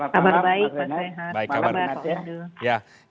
kabar baik pak zainal